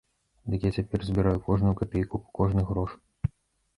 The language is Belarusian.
Дык я цяпер збіраю кожную капейку, кожны грош.